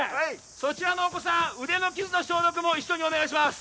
そちらのお子さん腕の傷の消毒も一緒にお願いします